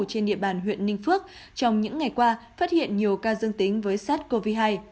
trên địa bàn huyện ninh phước trong những ngày qua phát hiện nhiều ca dương tính với sars cov hai